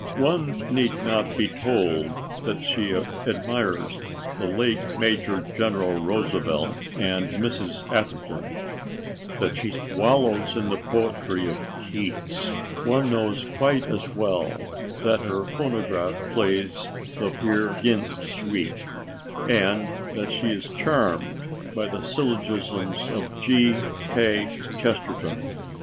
One need not be told that she admires the late Major General Roosevelt and Mrs. Atherton, that she wallows in the poetry of Keats. One knows quite as well that her phonograph plays the "Peer Gynt" suite, and that she is charmed by the syllogisms of G. K. Chesterton.